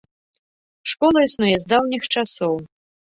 Школа існуе з даўніх часоў.